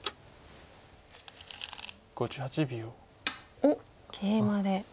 おっケイマで。